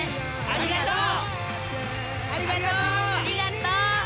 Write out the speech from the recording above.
ありがとう！